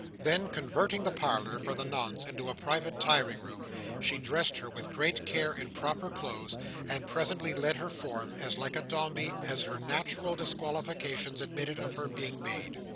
Then converting the parlour, for the nonce, into a private tiring room, she dressed her, with great care, in proper clothes; and presently led her forth, as like a Dombey as her natural disqualifications admitted of her being made.